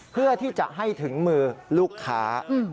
เพื่อที่จะให้ถึงมือลูกค้า